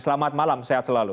selamat malam sehat selalu